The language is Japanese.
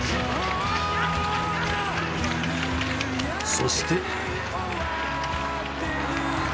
そして。